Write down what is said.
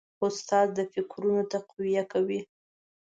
استاد د فکرونو تقویه کوي.